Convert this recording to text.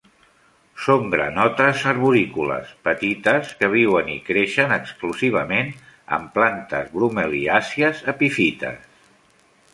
Són granotes arborícoles petites que viuen i creixen exclusivament en plantes bromeliàcies epífites.